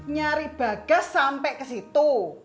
nyari bagas sampe kesitu